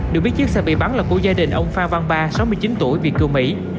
được biết chiếc xe bị bắn là của gia đình ông phan văn ba sáu mươi chín tuổi việt kiều mỹ